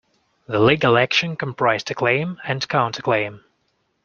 The legal action comprised a claim and counterclaim.